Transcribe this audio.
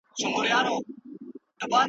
علم د توحيد د پيژندلو وسيله ده.